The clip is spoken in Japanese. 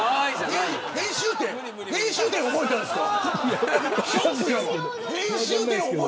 編集点覚えたんですか。